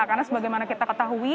karena sebagaimana kita ketahui